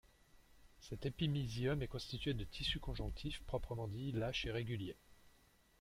Cet épimysium est constitué de tissu conjonctif, proprement dit, lâche et régulier.